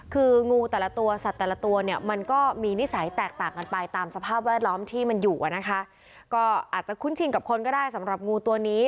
คืองูแต่ละตัวสัตว์แต่ละตัวเนี่ยมันก็มีนิสัยแตกต่างกันไปตามสภาพแวดล้อมที่มันอยู่อ่ะนะคะก็อาจจะคุ้นชินกับคนก็ได้สำหรับงูตัวนี้